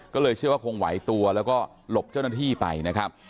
ก็เลยเชื่อว่าคงไหวตัวแล้วก็หลบเจ้าหน้าที่ไปนะครับ